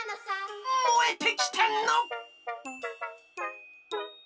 もえてきたの！